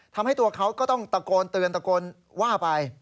ทำให้ตัวเขาก็ต้องตะโกนเตือนตะโกนว่าไป